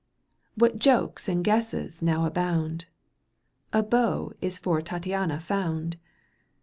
What jokes and guesses now abound, A beau is for Tattiana found